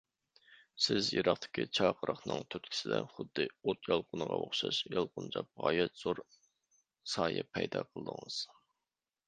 سىز يىراقتىكى چاقىرىقنىڭ تۈرتكىسىدە، خۇددى ئوت يالقۇنىغا ئوخشاش يالقۇنجاپ، غايەت زور سايە پەيدا قىلدىڭىز.